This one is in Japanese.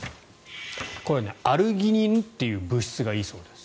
これはアルギニンという物質がいいそうです。